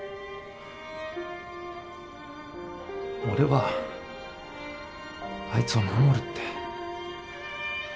俺はあいつを守るって。